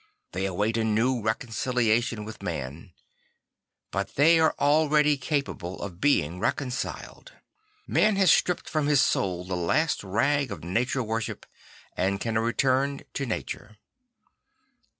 They await a new reconciliation with man, but they are already capable of being reconciled. Man has stripped 'Ihe World St. Francis Found 39 from his soul the last rag of nature \vorship, and can return to nature.